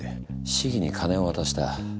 市議に金を渡した。